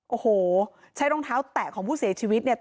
โอ้โหใช้รองเท้าแตะของผู้เสียชีวิตเนี่ย